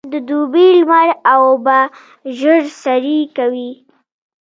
د دوبي لمر اوبه ژر سرې کوي.